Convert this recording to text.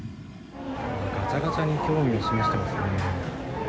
ガチャガチャに興味を示していますね。